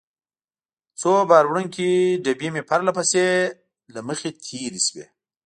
څو بار وړونکې ډبې مې پرله پسې له مخې تېرې شوې.